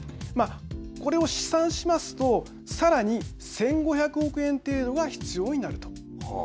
これを試算しますと、さらに１５００億円程度が必要になると。